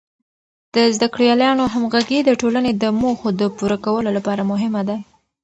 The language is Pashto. د زده کړیالانو همغږي د ټولنې د موخو د پوره کولو لپاره مهمه ده.